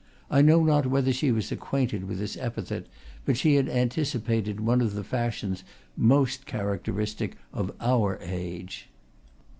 I know not whether she was acquainted with this epithet; but she had anticipated one of the fashions most characteristic of our age.